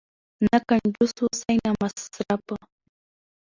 نه کنجوس اوسئ نه مسرف.